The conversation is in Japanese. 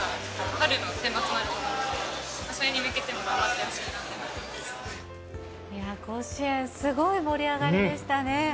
春の選抜もあると思うので、それに向けて頑張ってほしいと思いやー、甲子園、すごい盛り上がりでしたね。